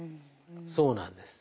そうなんです。